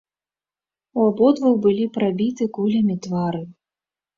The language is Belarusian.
У абодвух былі прабіты кулямі твары.